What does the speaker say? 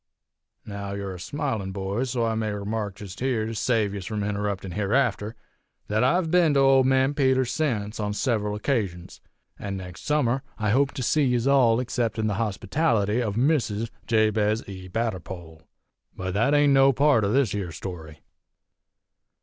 Now yer a smilin', boys, so I may remark jest here, to save yez from interruptin' hereafter, thet I've ben to Old Man Peters's sence, on several occasions; an' nex' summer I hope to see yez all acceptin' the hospitality of Mrs. Jabez E. Batterpole! But thet ain't no part o' this here story!